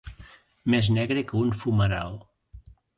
Més negre que un fumeral.